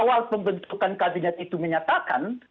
awal pembentukan kabinet itu menyatakan